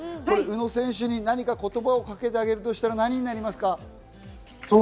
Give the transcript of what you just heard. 宇野選手に何か言葉をかけてあげるとしたら、何になりますか？